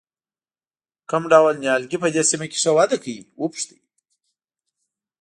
کوم ډول نیالګي په دې سیمه کې ښه وده کوي وپوښتئ.